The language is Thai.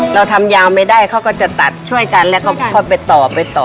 เราทำยาวไม่ได้เขาก็จะตัดช่วยกันแล้วก็ค่อยไปต่อไปต่อ